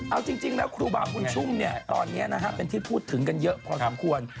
เอาจริงแล้วครูบาบุญชุ่มตอนนี้เป็นที่พูดถึงกันเยอะพอสมควร